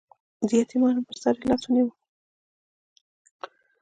د یتیمانو په سر یې لاس ونیو.